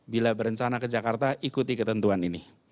bila berencana ke jakarta ikuti ketentuan ini